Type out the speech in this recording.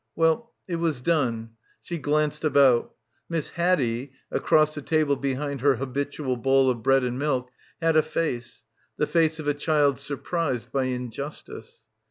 Well, it was done. She glanced about. Miss Haddie, across the table behind her habitual bowl of bread and milk had a face — the face of a child surprised by injustice.